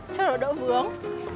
trông nó đỡ vướng